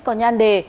còn nhan đề